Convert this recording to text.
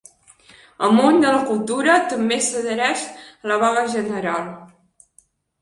El món de la cultura també s’adhereix a la vaga general.